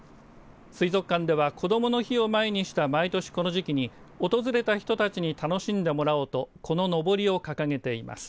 水族館では、こどもの日を前にした、毎年この時期に訪れた人たちに楽しんでもらおうとこののぼりを掲げています。